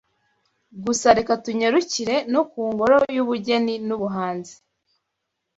Gusa reka tunyarukire no ku ngoro y’ Ubugeni n’Ubuhanzi